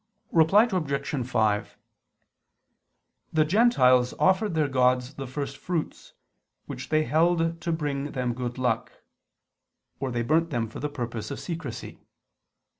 Reply Obj. 5: The Gentiles offered their gods the first fruits, which they held to bring them good luck: or they burnt them for the purpose of secrecy.